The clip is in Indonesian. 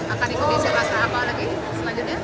akan ikuti sirnas apa lagi selanjutnya